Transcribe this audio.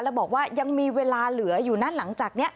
แล้วบอกว่ายังมีเวลาเหลืออยู่นั้นหลังจากนี้